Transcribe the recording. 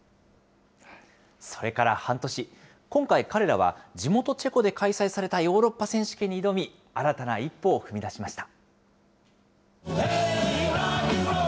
それから半年、今回、彼らは地元チェコで開催されたヨーロッパ選手権に挑み、新たな一歩を踏み出しました。